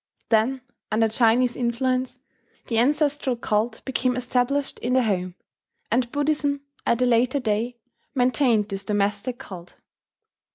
Then under Chinese influence, the ancestral cult became established in the home; and Buddhism at a later day maintained this domestic cult.